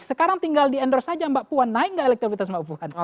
sekarang tinggal di endorse aja mbak puan naik gak elektrivitas mbak puan